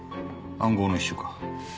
暗号の一種か。